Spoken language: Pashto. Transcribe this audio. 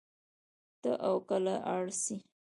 تۀ او کله ار سې